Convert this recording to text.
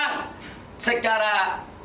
kepung kpu menjaga konstitusional di kpu